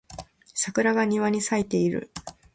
桜が庭に咲いている